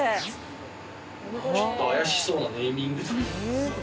ちょっと怪しそうなネーミング。